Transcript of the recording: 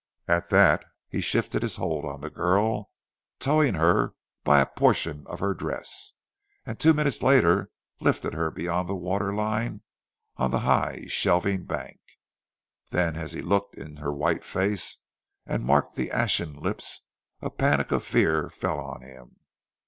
At that he shifted his hold on the girl, towing her by a portion of her dress, and two minutes later, lifted her beyond the water line on the high shelving bank. Then, as he looked in her white face and marked the ashen lips, a panic of fear fell on him.